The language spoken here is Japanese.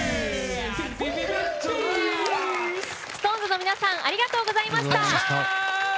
ＳｉｘＴＯＮＥＳの皆さんありがとうございました。